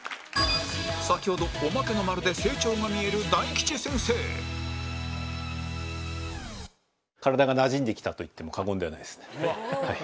先ほどおまけの○で成長が見える大吉先生と言っても過言ではないですね。